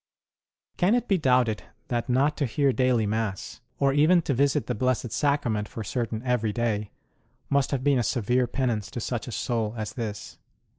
Can it be doubted that not to hear daily Mass, or even to visit the Blessed Sacrament for certain every day, must have been a severe penance to such a soul as this